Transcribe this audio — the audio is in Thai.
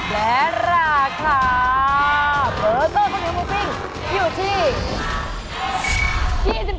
และราคาเวอร์เทอร์ข้อมูลมุ้งปิงอยู่ที่